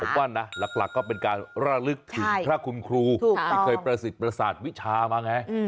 ผมว่านะหลักก็เป็นการระลึกถึงพระคุณครูที่เคยประสิทธิ์ประสาทวิชามาไง